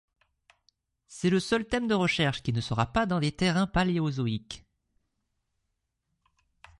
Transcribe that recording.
C'est le seul thème de recherche qui ne sera pas dans des terrains paléozoiques.